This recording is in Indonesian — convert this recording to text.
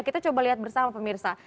kita coba lihat bersama pemirsa